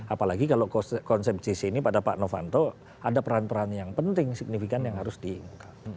apalagi kalau konsep jc ini pada pak novanto ada peran peran yang penting signifikan yang harus diungkap